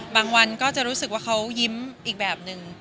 วันก็จะรู้สึกว่าเขายิ้มอีกแบบนึง